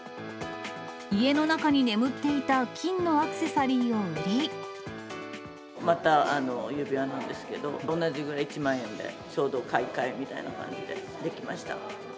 家の中に眠っていた金のアクまた、指輪なんですけど、同じぐらい１万円で、ちょうど買い替えみたいな感じでできました。